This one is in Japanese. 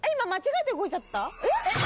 えっ！